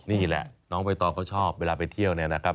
นี่แหละน้องใบตองเขาชอบเวลาไปเที่ยวเนี่ยนะครับ